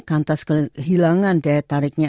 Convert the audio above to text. kantas kehilangan daya tariknya